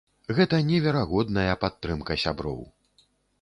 Гэта неверагодная падтрымка сяброў!